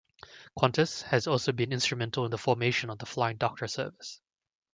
Qantas had also been instrumental in the formation of the Flying Doctor Service.